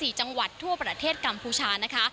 ทั้งหมด๒๔จังหวัดทั่วประเทศกัมพูชานะคะ